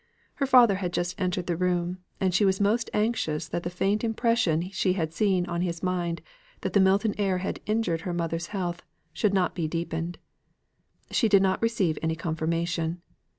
Her father had just entered the room, and she was most anxious that the faint impression she had seen on his mind that the Milton air had injured her mother's health, should not be deepened should not receive any confirmation.